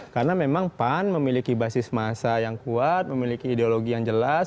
karena memang pan memiliki basis massa yang kuat memiliki ideologi yang jelas